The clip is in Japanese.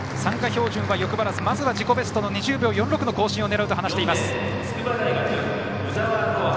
標準記録は欲張らず、まずは自己ベストの２０秒４６の更新を狙うと話しています、上山。